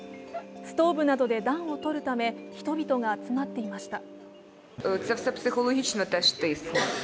ストーブなどで暖を取るため人々が集まっていました。